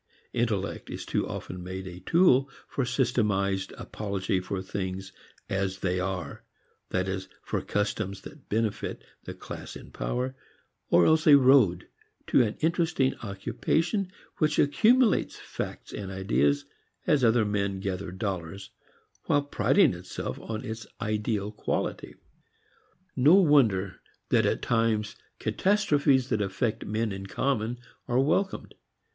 Intellect is too often made a tool for a systematized apology for things as "they are," that is for customs that benefit the class in power, or else a road to an interesting occupation which accumulates facts and ideas as other men gather dollars, while priding itself on its ideal quality. No wonder that at times catastrophes that affect men in common are welcomed.